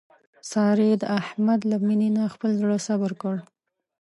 سارې د احمد له مینې نه خپل زړه صبر کړ.